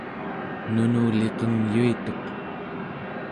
nunuliqengyuituq